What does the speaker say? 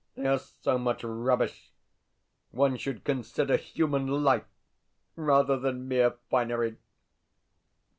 They are so much rubbish. One should consider human life rather than mere finery.